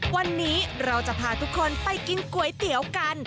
วันนี้เราจะพาทุกคนไปกินก๋วยเตี๋ยวกัน